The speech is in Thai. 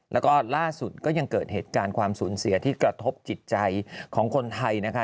แล้วก็ล่าสุดก็ยังเกิดเหตุการณ์ความสูญเสียที่กระทบจิตใจของคนไทยนะคะ